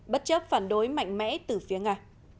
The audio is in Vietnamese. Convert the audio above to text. bất chấp phản đối mạnh mẽ từ phía nga